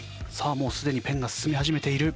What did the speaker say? もうすでにペンが進み始めている。